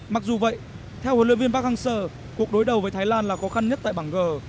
mặc dù vậy theo huấn luyện viên park hang seo cuộc đối đầu với thái lan là khó khăn nhất tại bảng g